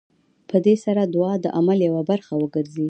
په دې سره دعا د عمل يوه برخه وګرځي.